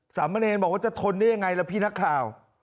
สามเณรบอกว่าจะทนได้ยังไงล่ะพี่นักข่าว